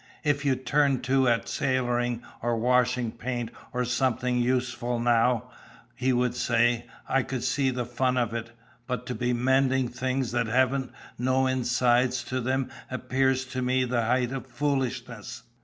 "If you'd turn to at sailoring or washing paint or something useful, now," he would say, "I could see the fun of it. But to be mending things that haven't no insides to them appears to me the height of foolishness."